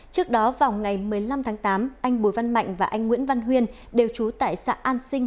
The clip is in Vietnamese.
trước đó vào ngày một mươi năm tháng tám anh bùi văn mạnh và anh nguyễn văn huyên đều trú tại xã an sinh